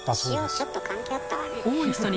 塩ちょっと関係あったわね。